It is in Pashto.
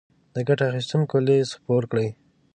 د ګټه اخيستونکو ليست خپور کړي.